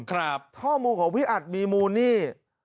ข้อมูลของพี่อัดมีมูลนี่